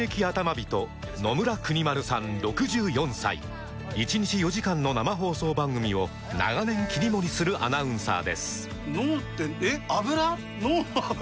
人野村邦丸さん６４歳１日４時間の生放送番組を長年切り盛りするアナウンサーです